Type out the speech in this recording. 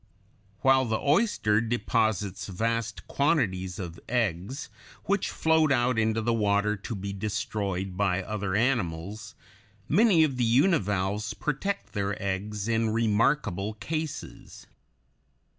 ] While the oyster deposits vast quantities of eggs, which float out into the water to be destroyed by other animals, many of the univalves protect their eggs in remarkable cases.